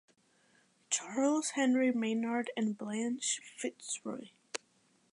Charles Henry Maynard and Blanche Fitzroy.